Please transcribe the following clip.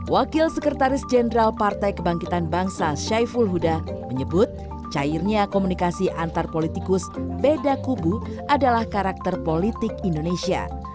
wakil sekretaris jenderal partai kebangkitan bangsa syaiful huda menyebut cairnya komunikasi antar politikus beda kubu adalah karakter politik indonesia